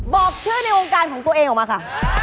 บอกชื่อในวงการของตัวเองออกมาค่ะ